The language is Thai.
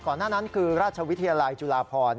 หน้านั้นคือราชวิทยาลัยจุฬาพร